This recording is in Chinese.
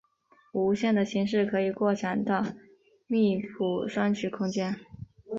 无限的形式可以扩展到密铺双曲空间。